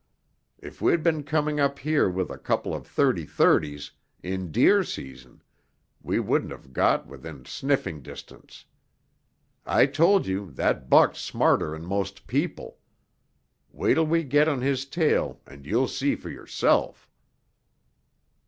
If we'd been coming up here with a couple of thirty thirtys, in deer season, we wouldn't have got within sniffing distance. I told you that buck's smarter'n most people. Wait'll we get on his tail and you'll see for yourself."